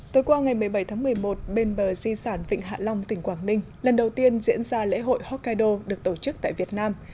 tối qua ngày một mươi bảy tháng một mươi một bên bờ di sản vịnh hạ long tỉnh quảng ninh lần đầu tiên diễn ra lễ hội hokkaido được tổ chức tại việt nam